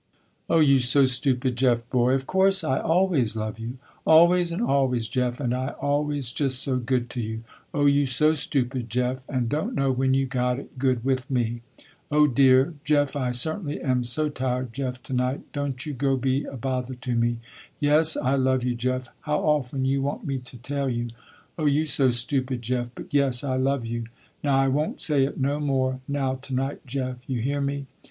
"Oh you so stupid Jeff boy, of course I always love you. Always and always Jeff and I always just so good to you. Oh you so stupid Jeff and don't know when you got it good with me. Oh dear, Jeff I certainly am so tired Jeff to night, don't you go be a bother to me. Yes I love you Jeff, how often you want me to tell you. Oh you so stupid Jeff, but yes I love you. Now I won't say it no more now tonight Jeff, you hear me.